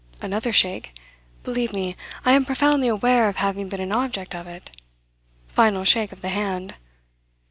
Another shake. "Believe me, I am profoundly aware of having been an object of it." Final shake of the hand.